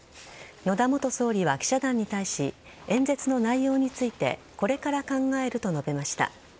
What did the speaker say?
野田元総理は記者団に対し演説の内容についてこれから考えると述べました。